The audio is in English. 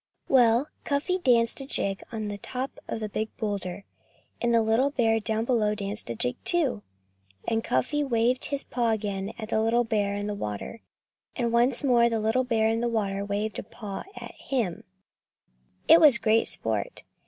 Well! Cuffy danced a jig on the top of the big boulder. And the little bear down below danced a jig, too. And Cuffy waved his paw again at the little bear in the water. And once more the little bear in the water waved a paw at him. It was great sport.